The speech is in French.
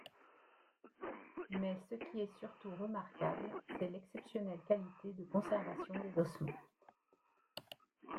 Mais ce qui est surtout remarquable c'est l'exceptionnelle qualité de conservation des ossements.